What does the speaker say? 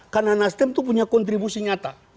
karena nasdem itu punya kontribusi nyata